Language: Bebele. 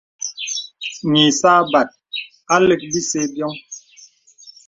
Yì sâbāt à lək bìsə bìoŋ.